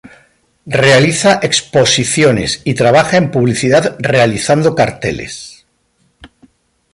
Realiza exposiciones, y trabaja en publicidad realizando carteles.